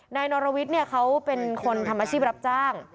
นายนรวิทย์เขาเป็นคนทำอาชีพรับจ้าง